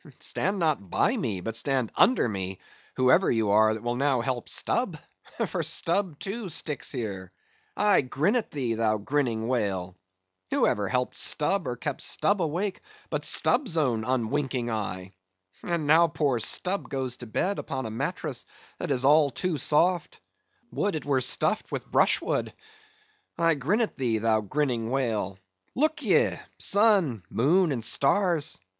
"Stand not by me, but stand under me, whoever you are that will now help Stubb; for Stubb, too, sticks here. I grin at thee, thou grinning whale! Who ever helped Stubb, or kept Stubb awake, but Stubb's own unwinking eye? And now poor Stubb goes to bed upon a mattrass that is all too soft; would it were stuffed with brushwood! I grin at thee, thou grinning whale! Look ye, sun, moon, and stars!